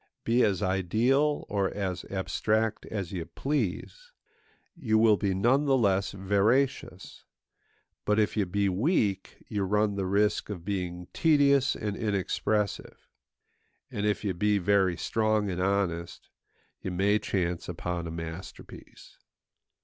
Be as ideal or as abstract as you please, you will be none the less veracious; but if you be weak, you run the risk of being tedious and inexpressive; and if you be very strong and honest, you may chance upon a masterpiece.